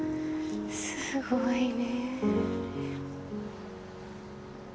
すごいね。